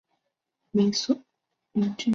明俊是傅玉之子。